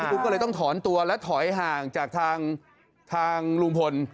คุณก็เลยต้องถอนตัวและถอยห่างจากทางลุงพล